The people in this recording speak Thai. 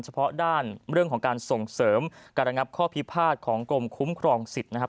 เฉพาะด้านเรื่องของการส่งเสริมการระงับข้อพิพาทของกรมคุ้มครองสิทธิ์นะครับ